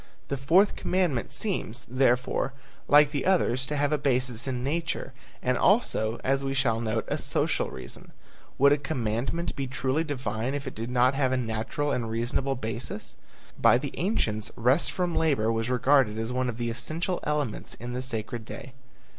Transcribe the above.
The fourth commandment seems, therefore, like the others to have a basis in nature, and also, as we shall note, a social reason. Would a commandment be truly divine if it did not have a natural and reasonable basis? By the ancients rest from labor was regarded as one of the essential elements in the sacred day.